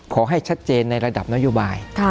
ขอให้ชัดเจนในระดับนโยบาย